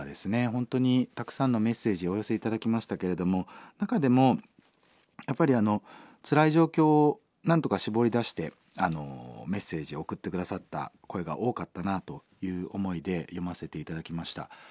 本当にたくさんのメッセージお寄せ頂きましたけれども中でもやっぱりつらい状況をなんとか絞り出してメッセージを送って下さった声が多かったなという思いで読ませて頂きました。